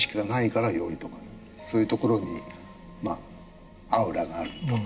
そういうところにアウラがあるという。